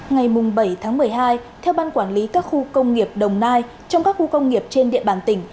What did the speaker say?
ngày bảy tháng một mươi hai theo ban quản lý các khu công nghiệp đồng nai trong các khu công nghiệp trên địa bàn tỉnh